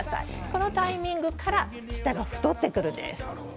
このタイミングから下が太ってくるんです。